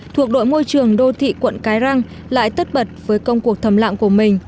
thuộc đội môi trường đô thị quận cái răng lại tất bật với công cuộc thầm lạng của mình